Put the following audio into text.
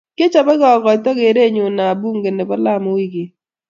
kiochoboge akoito keerenyu eng bunge nebo Lamu wikini